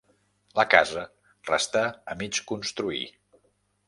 La casa restà a mig construir.